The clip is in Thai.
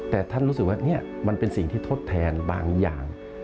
แต่ท่านรู้สึกว่านี่มันเป็นสิ่งที่ทดแทนบางอย่าง